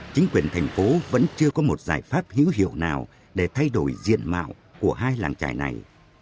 chính quyền thành phố vẫn chưa có một giải pháp hữu hiệu nào để thay đổi diện mạo của hai làng trải này